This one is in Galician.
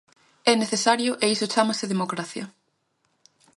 ¡É necesario e iso chámase democracia!